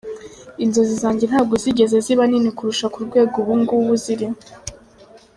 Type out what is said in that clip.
Inzozi zanjye ntabwo zigeze ziba nini kurusha ku rwego ubu ng’ubu ziriho.